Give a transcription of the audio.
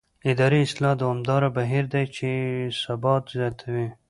اداري اصلاح دوامداره بهیر دی چې ثبات زیاتوي